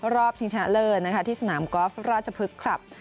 ชิงชนะเลิศที่สนามกอล์ฟราชพฤกษลับ